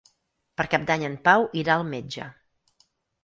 Per Cap d'Any en Pau irà al metge.